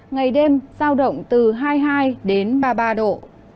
ngày đêm giao động từ hai mươi hai đến ba mươi ba độ